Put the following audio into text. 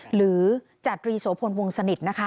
หรือจตรีโสพลวงสนิทนะคะ